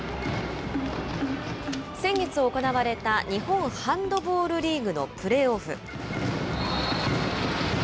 先月行われた日本ハンドボールリーグのプレーオフ。